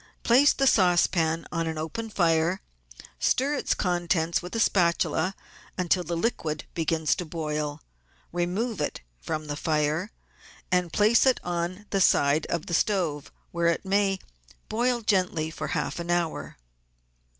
Place the saucepan on an open fire, stir its contents with a spatula until the liquid begins to boil, remove it from the fire, and place it on the side of the stove, where it may boil gently for half an hour.